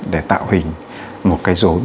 để tạo hình một cái rốn